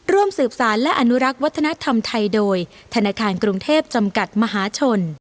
ร่วมสืบสารและอนุรักษ์วัฒนธรรมไทยโดยธนาคารกรุงเทพจำกัดมหาชน